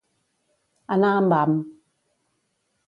Anar amb ham.